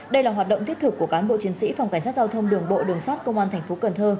đây là hoạt động thiết thực của cán bộ chiến sĩ phòng cảnh sát giao thông đường bộ đường sát công an tp cn